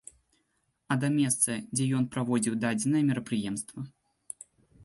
А да месца, дзе ён праводзіў дадзенае мерапрыемства.